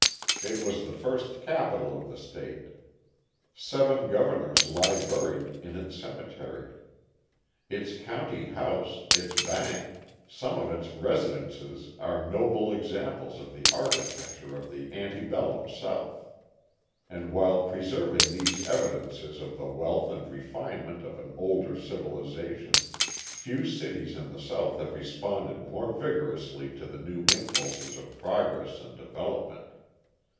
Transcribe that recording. It was the first capital of the state. Seven governors lie buried in its cemetery; its county house, its bank, some of its residences are noble examples of the architecture of the ante bellum South. And while preserving these evidences of the wealth and refinement of an older civilisation, few cities in the South have responded more vigorously to the new impulses of progress and development.